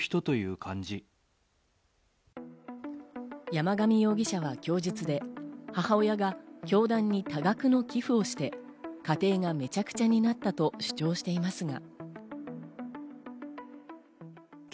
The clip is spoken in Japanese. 山上容疑者は供述で、母親が教団に多額の寄付をして家庭がめちゃくちゃになったと主張していますが。